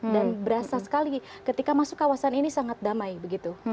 dan berasa sekali ketika masuk kawasan ini sangat damai begitu